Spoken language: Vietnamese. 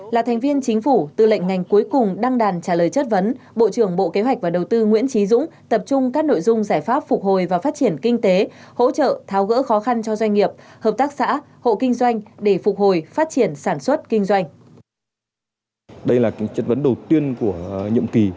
là thành viên chính phủ tư lệnh ngành cuối cùng đăng đàn trả lời chất vấn bộ trưởng bộ kế hoạch và đầu tư nguyễn trí dũng tập trung các nội dung giải pháp phục hồi và phát triển kinh tế hỗ trợ tháo gỡ khó khăn cho doanh nghiệp hợp tác xã hộ kinh doanh để phục hồi phát triển sản xuất kinh doanh